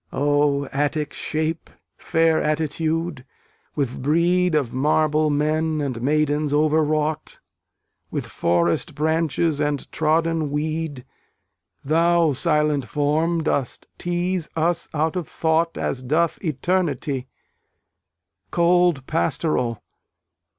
O Attic shape! Fair attitude! with brede Of marble men and maidens overwrought, With forest branches and trodden weed; Thou, silent form! dost tease us out of thought As doth eternity: Cold Pastoral!